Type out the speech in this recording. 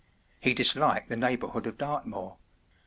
He dis¬ liked the neighbourhood of Dartmoor.